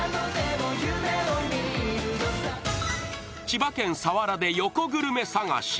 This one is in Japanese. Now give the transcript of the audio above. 千葉県佐原で横グルメ探し。